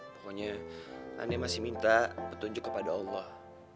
pokoknya aneh masih minta petunjuk kepada allah